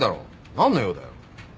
何の用だよ。